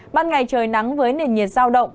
ban ngày trời nắng với nền nhiệt giao động